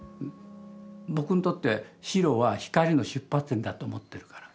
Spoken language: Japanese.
僕にとって白は光の出発点だと思ってるから。